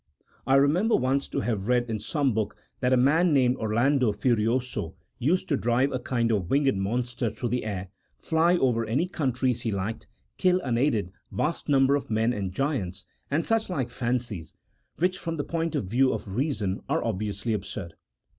I remember once to have read in some book 112 A THEOLOGICO POLITICAL TREATISE. [CHAP. VII. that a man named Orlando Furioso used to drive a kind of winged monster through the air, fly over any countries he liked, kill unaided vast numbers of men and giants, and such like fancies, which from the point of view of reason are obviously absurd.